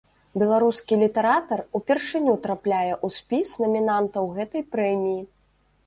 Беларускі літаратар упершыню трапляе ў спіс намінантаў гэтай прэміі.